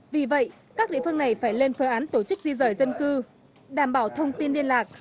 vì vậy các địa phương này phải lên phương án tổ chức di rời dân cư đảm bảo thông tin liên lạc